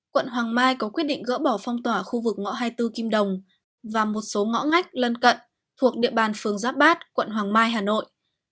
quận hoàng mai có quyết định gỡ bỏ phong tỏa khu vực ngõ hai mươi bốn kim đồng và một số ngõ ngách lân cận thuộc địa bàn phường giáp bát quận hoàng mai hà nội